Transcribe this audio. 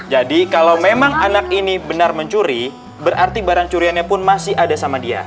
jadi kalau memang anak ini benar mencuri berarti barang curiannya pun masih ada sama dia